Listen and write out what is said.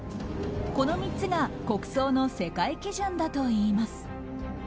この３つが国葬の世界基準だといいます。